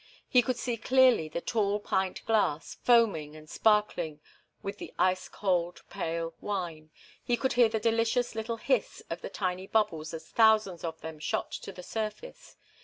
He could see clearly the tall pint glass, foaming and sparkling with the ice cold, pale wine. He could hear the delicious little hiss of the tiny bubbles as thousands of them shot to the surface.